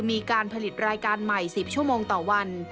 มีการผลิตรายการใหม่๑๐ชั่วโมงต่อวัน